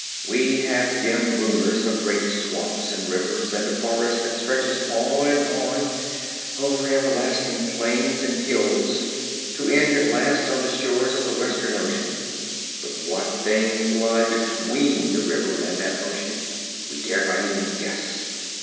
We have dim rumors of great swamps and rivers, and a forest that stretches on and on over everlasting plains and hills to end at last on the shores of the western ocean. But what things lie between this river and that ocean we dare not even guess.